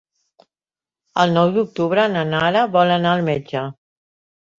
El nou d'octubre na Nara vol anar al metge.